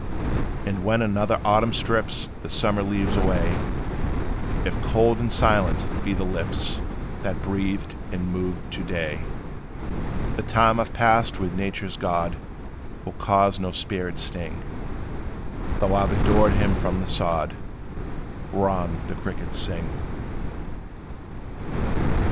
And when another autumn strips The summer leaves away, If cold and silent be the lips That breathed and moved to day, The time I 've passed with nature's God Will cause no spirit sting, Though I 've adored him from the sod Whereon the crickets sing.